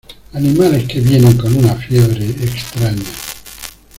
Animales que vienen con una fiebre extraña.